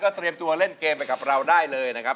เตรียมตัวเล่นเกมไปกับเราได้เลยนะครับ